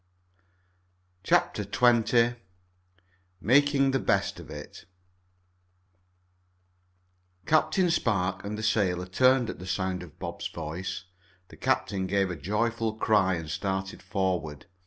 CHAPTER XX MAKING THE BEST OF IT Captain Spark and the sailor turned at the sound of Bob's voice. The captain gave a joyful cry and started forward.